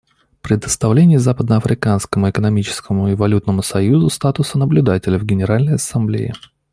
Предоставление Западноафриканскому экономическому и валютному союзу статуса наблюдателя в Генеральной Ассамблее.